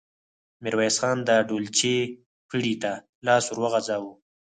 ميرويس خان د ډولچې پړي ته لاس ور وغځاوه.